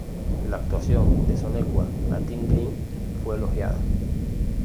La actuación de Sonequa Martin-Green fue elogiada.